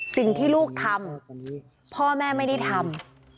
สิ่งที่ลูกทำพ่อแม่ไม่ได้ทำ